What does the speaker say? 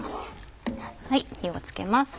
火を付けます。